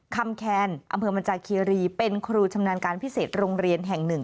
คำแคนอำเภอบรรจาคีรีเป็นครูชำนาญการพิเศษโรงเรียนแห่งหนึ่ง